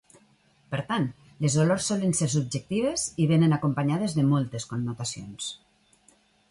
Per tant, les olors solen ser subjectives i venen acompanyades de moltes connotacions